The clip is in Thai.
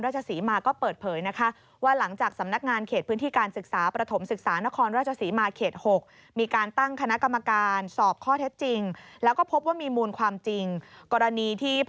จังหวัดนครรัชศรีมาก็เปิดเผย